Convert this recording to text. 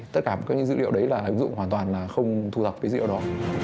tất cả những dữ liệu đấy là ứng dụng hoàn toàn không thu thập cái dữ liệu đó